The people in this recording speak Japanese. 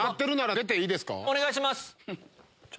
お願いします。